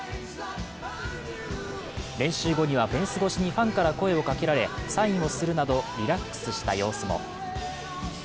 練習後にはフェンス越しにファンから声をかけられサインをするなど、リラックスした様子も。